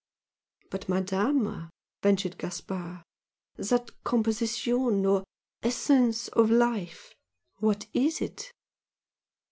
"But, Madama" ventured Gaspard "that composition or essence of Life! what is it?"